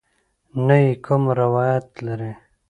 نه یې کوم روایت لرې.